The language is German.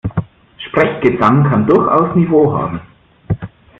Sprechgesang kann durchaus Niveau haben.